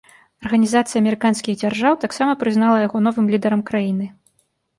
Арганізацыя амерыканскіх дзяржаў таксама прызнала яго новым лідарам краіны.